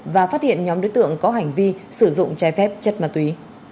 và phát hiện nhóm đối tượng có hành vi sử dụng trái phép chất ma túy